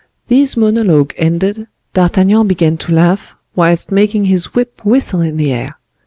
This monologue ended, D'Artagnan began to laugh, whilst making his whip whistle in the air.